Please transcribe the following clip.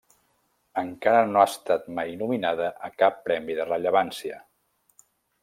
Encara no ha estat mai nominada a cap premi de rellevància.